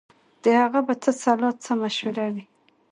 د هغه به څه سلا څه مشوره وي